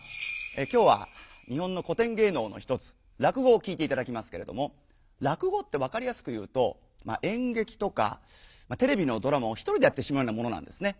きょうは日本の古てんげいのうの一つ落語を聞いていただきますけれども落語ってわかりやすく言うとえんげきとかテレビのドラマをひとりでやってしまうようなものなんですね。